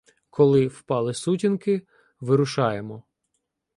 Коли впали сутінки, вирушаємо.